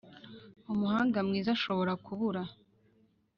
umuhanga mwiza ashobora kubura.